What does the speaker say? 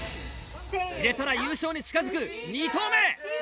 入れたら優勝に近づく２投目！